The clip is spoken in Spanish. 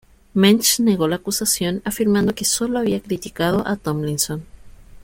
Mensch negó la acusación, afirmando que sólo había criticado a Tomlinson.